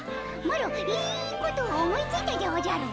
マロいいことを思いついたでおじゃる。